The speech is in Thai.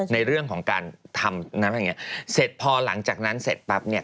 ในเรื่องของการทำนั้นอย่างเงี้เสร็จพอหลังจากนั้นเสร็จปั๊บเนี่ย